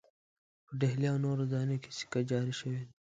په ډهلي او نورو ځایونو کې سکه جاري شوې ده.